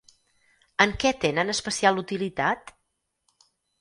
En què tenen especial utilitat?